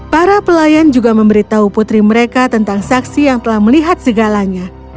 para pelayan juga memberitahu putri mereka tentang saksi yang telah melihat segalanya